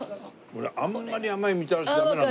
俺あんまり甘いみたらしダメなのよ。